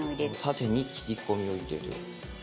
縦に切り込みを入れる。